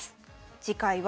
次回は。